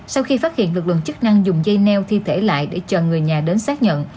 sau khi phát hiện lực lượng chức năng dùng dây neo thi thể lại để chờ người nhà đến xác nhận